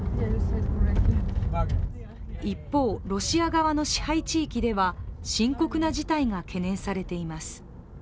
一方、ロシア側の支配地域では深刻な事態が懸念されています。